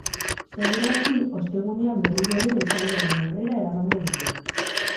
Segur aski, ostegunean berriro ere epailearen aurrera eramango dute.